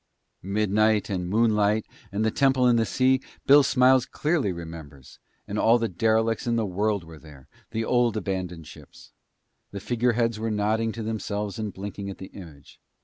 Midnight and moonlight and the Temple in the Sea Bill Smiles clearly remembers, and all the derelicts in the world were there, the old abandoned ships. The figureheads were nodding to themselves and blinking at the image.